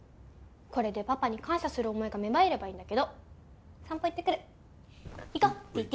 これでパパに感謝する思いが芽生えればいいんだけど散歩行ってくる行こＴＴ！